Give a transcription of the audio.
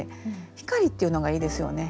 「光」っていうのがいいですよね。